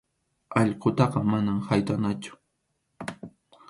Allqutaqa manam haytʼanachu.